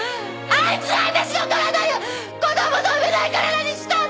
あいつが私の体を子供の産めない体にしたんだ！